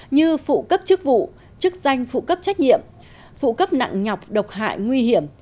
như phụ cấp chức vụ chức danh phụ cấp trách nhiệm phụ cấp nặng nhọc độc hại nguy hiểm